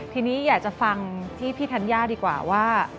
ทีนี้อยากจะฟังที่พี่ธัญญาดีกว่าว่า